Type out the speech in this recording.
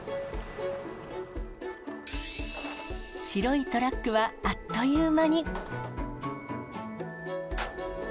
白いトラックは、あっという間に。